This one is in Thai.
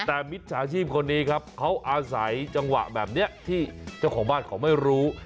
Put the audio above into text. แต่มิจฉาชีพคนนี้ครับเขาอาศัยจังหวะแบบนี้ที่เจ้าของบ้านเขาไม่รู้